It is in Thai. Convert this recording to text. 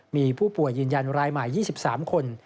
มีผู้ป่วยยืนยันรายใหม่๒๓คน